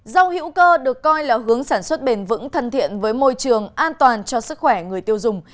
rau hữu cơ được coi là hướng sản xuất bền vững thân thiện với môi trường an toàn cho sức khỏe người tiêu dùng